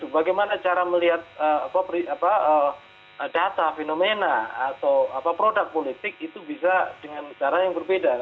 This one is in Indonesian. bagaimana cara melihat data fenomena atau produk politik itu bisa dengan cara yang berbeda